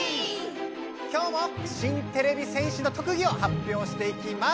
今日も新てれび戦士の特技を発表していきます。